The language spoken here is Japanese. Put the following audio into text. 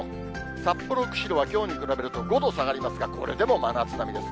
札幌、釧路はきょうに比べると５度下がりますが、これでも真夏並みです。